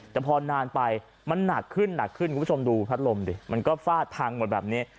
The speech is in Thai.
แต่พอนานไปมันหนักขึ้นหนักขึ้นคุณผู้ชมดูพัดลมดิมันก็ฟาดพังหมดแบบนี้